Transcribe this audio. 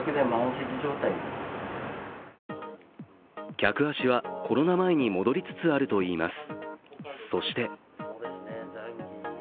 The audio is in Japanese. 客足はコロナ前に戻りつつあるといいます。